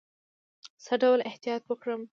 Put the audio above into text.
څه ډول احتیاط وکړم؟